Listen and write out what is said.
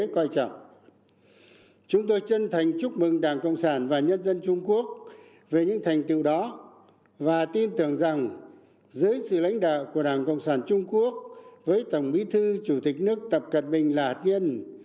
chúc mừng đảng cộng sản và nhân dân trung quốc về những thành tựu đó và tin tưởng rằng dưới sự lãnh đạo của đảng cộng sản trung quốc với tổng bí thư chủ tịch nước tập cận bình lạc yên